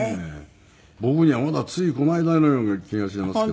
僕にはまだついこの間のような気がしてますけど。